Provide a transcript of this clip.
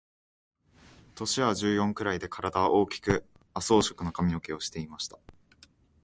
年は十四ぐらいで、体は大きく亜麻色の髪の毛をしていました。